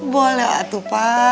boleh waktu pak